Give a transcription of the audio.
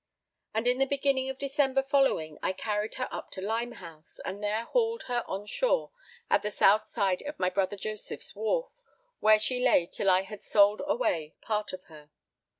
And in the beginning of December following I carried her up to Limehouse, and there hauled her on shore at the south side of my brother Joseph's wharf, where she lay till I had sold away part of her.